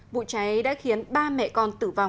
vụ cháy đã khiến ba mẹ con tử vong